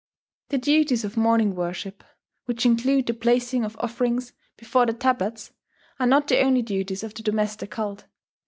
The duties of morning worship, which include the placing of offerings before the tablets, are not the only duties of the domestic cult.